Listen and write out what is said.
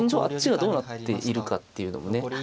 あっちがどうなっているかっていうのもね